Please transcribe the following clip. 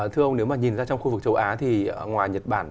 thưa ông nếu mà nhìn ra trong khu vực châu á thì ngoài nhật bản